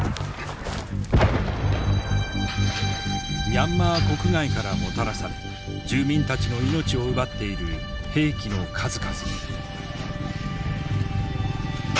ミャンマー国外からもたらされ住民たちの命を奪っている兵器の数々。